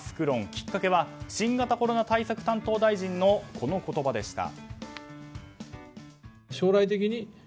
きっかけは新型コロナ対策担当大臣のこの言葉でした。